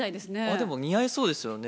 でも似合いそうですよね。